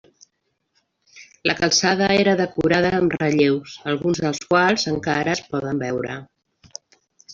La calçada era decorada amb relleus, alguns dels quals encara es poden veure.